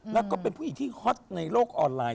และเป็นผู้หญิงที่เฮาะท์ในโลกออนไลน์